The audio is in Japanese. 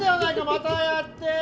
またやって。